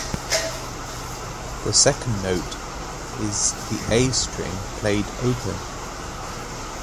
The second note is the a string played open.